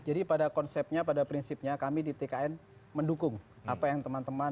jadi pada konsepnya pada prinsipnya kami di tkn mendukung apa yang teman teman